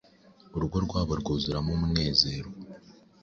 urugo rwabo rwuzuramo umunezero.